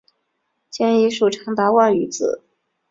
建议书长达万余字。